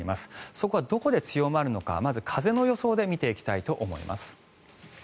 それはどこが強まるのかまず風の予想で見ていきたいと思います。